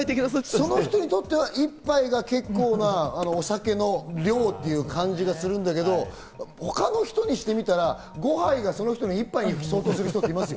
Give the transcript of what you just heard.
その人にとっては１杯が結構なお酒の量っていう感じがするんだけど、他の人にしてみたら５杯が１杯に相当する人もいますよ。